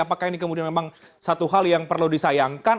apakah ini kemudian memang satu hal yang perlu disayangkan